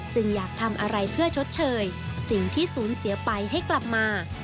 อยากทำอะไรเพื่อชดเชยสิ่งที่สูญเสียไปให้กลับมา